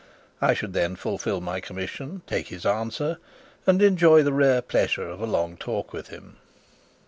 I should then fulfil my commission, take his answer, and enjoy the rare pleasure of a long talk with him.